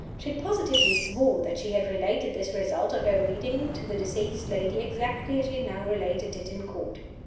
She positively swore that she had related this result of her reading to the deceased lady exactly as she now related it in Court.